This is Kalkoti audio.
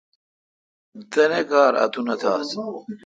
تانی کار اتونتھ آس۔